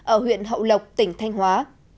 ở huyện hậu lộc tỉnh thanh hóa